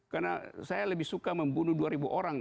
karena saya lebih suka membunuh dua ribu orang